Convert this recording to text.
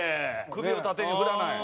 首を縦に振らない。